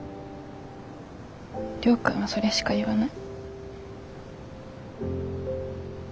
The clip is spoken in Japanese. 亮君はそれしか言わない。